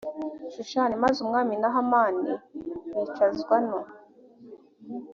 shushani maze umwami na hamani bicazwa no